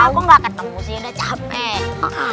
aku gak ketemu sih udah capek